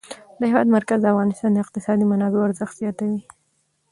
د هېواد مرکز د افغانستان د اقتصادي منابعو ارزښت زیاتوي.